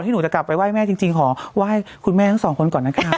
หนูจะกลับไปไหว้แม่จริงขอไหว้คุณแม่ทั้งสองคนก่อนนะคะ